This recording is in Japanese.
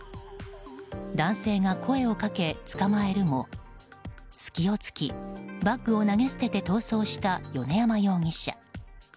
男性が声をかけ捕まえるも隙を突き、バッグを投げ捨てて逃走した米山容疑者。